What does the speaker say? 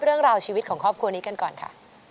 เรื่องราวชีวิตของครอบครัวนี้กันก่อนค่ะ